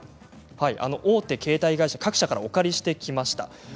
大手携帯会社各社からお借りしてきました。